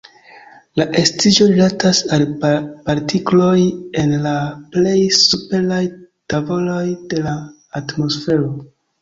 La estiĝo rilatas al partikloj en la plej superaj tavoloj de la atmosfero.